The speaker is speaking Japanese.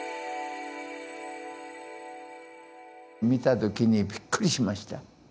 見た時にびっくりしました。